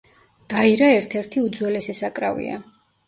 დაირა ერთ-ერთი უძველესი საკრავია.